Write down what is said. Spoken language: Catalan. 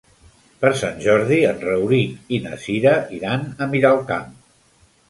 Per Sant Jordi en Rauric i na Cira iran a Miralcamp.